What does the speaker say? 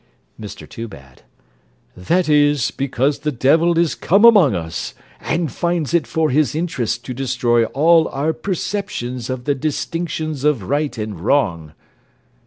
MR TOOBAD That is, because the devil is come among us, and finds it for his interest to destroy all our perceptions of the distinctions of right and wrong.